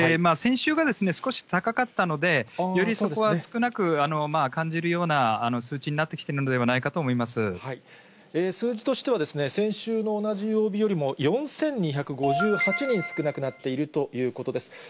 先週が少し高かったので、よりそこは少なく感じるような数値になってきてるのではないかと数字としては、先週の同じ曜日よりも４２５８人少なくなっているということです。